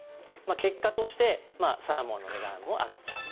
結果としてサーモンの値段も上がっちゃう。